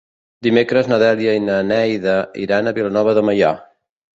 Dimecres na Dèlia i na Neida iran a Vilanova de Meià.